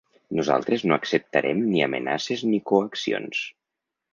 Nosaltres no acceptarem ni amenaces ni coaccions.